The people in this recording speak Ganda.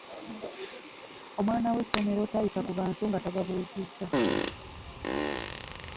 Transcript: Omwana we ssomero tayita ku bantu nga tababuuzizza.